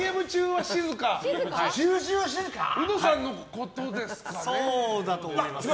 ウドさんのことですかね？